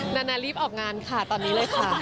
นานารีบออกงานค่ะตอนนี้เลยค่ะ